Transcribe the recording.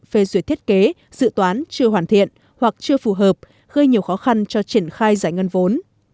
phương án về duyệt thiết kế dự toán chưa hoàn thiện hoặc chưa phù hợp gây nhiều khó khăn cho triển khai giải ngân vốn